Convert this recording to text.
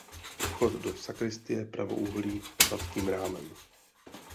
Vchod do sakristie pravoúhlý s hladkým rámem.